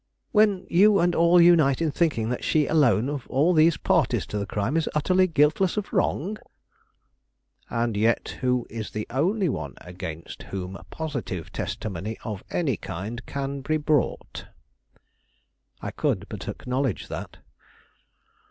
when you and all unite in thinking that she alone of all these parties to the crime is utterly guiltless of wrong?" "And yet who is the only one against whom positive testimony of any kind can be brought." I could but acknowledge that.